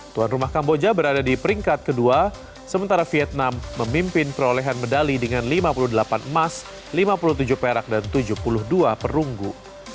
tuan rumah kamboja berada di peringkat kedua sementara vietnam memimpin perolehan medali dengan lima puluh delapan emas lima puluh tujuh perak dan tujuh puluh dua perunggu